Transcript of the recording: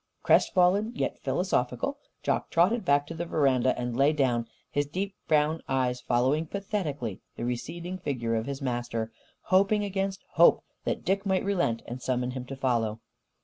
Crestfallen yet philosophical, Jock trotted back to the veranda and lay down, his deep brown eyes following pathetically the receding figure of his master, hoping against hope that Dick might relent and summon him to follow.